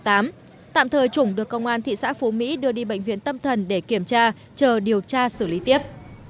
tạm thời trùng được công an thị xã phú mỹ đưa đi bệnh viện tâm thần để kiểm tra chờ điều tra xử lý tiếp